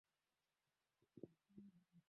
na mafunzo hayo kuhusu lengo hili